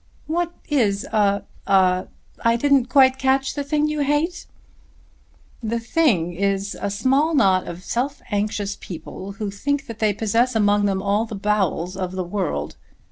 "What is a a I didn't quite catch the thing you hate?" "The thing is a small knot of self anxious people who think that they possess among them all the bowels of the world."